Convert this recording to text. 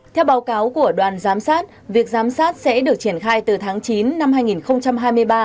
theo báo cáo của đoàn giám sát việc giám sát sẽ được triển khai từ tháng chín năm hai nghìn hai mươi ba